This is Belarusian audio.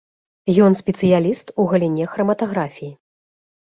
Ён спецыяліст у галіне храматаграфіі.